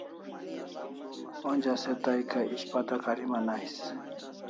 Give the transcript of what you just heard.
Onja se tai kai ishpata kariman ais